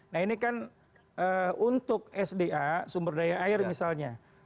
nah ini kan untuk sda sumberdaya air misalnya